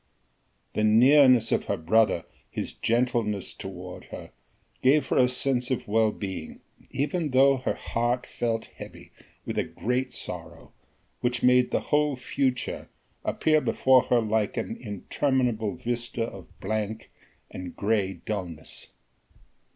The nearness of her brother, his gentleness toward her, gave her a sense of well being, even though her heart felt heavy with a great sorrow which made the whole future appear before her like an interminable vista of blank and grey dullness.